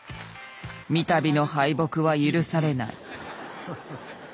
三たびの敗北は許されない。